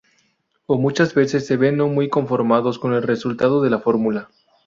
O muchas veces se ven no muy conformados con el resultado de la formula.